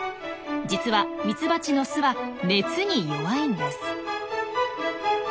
実はミツバチの巣は熱に弱いんです。